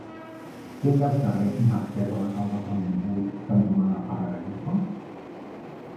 Què hi ha al carrer Marquesa de Caldes de Montbui cantonada Pare Gallifa?